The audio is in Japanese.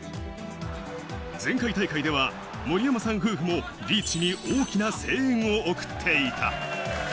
前回大会では森山さん夫婦もリーチに大きな声援を送っていた。